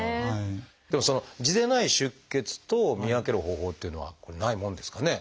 でも痔でない出血と見分ける方法っていうのはないもんですかね？